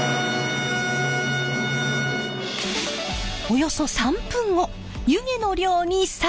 およそ３分後湯気の量に差が！